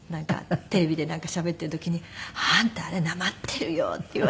テレビでなんかしゃべっている時に「あんたあれなまっているよ」って言われて。